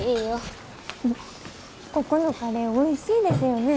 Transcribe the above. ここのカレーおいしいですよね。